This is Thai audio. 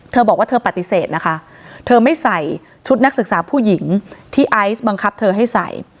บอกว่าเธอปฏิเสธนะคะเธอไม่ใส่ชุดนักศึกษาผู้หญิงที่ไอซ์บังคับเธอให้ใส่